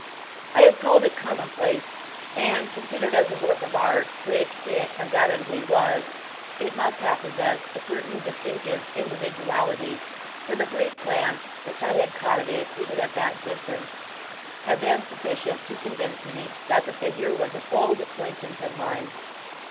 I have called it commonplace; and considered as a work of art, such it undoubtedly was; yet it must have possessed a certain distinctive individuality, for the brief glance which I had caught of it, even at that distance, had been sufficient to convince me that the figure was an old acquaintance of mine.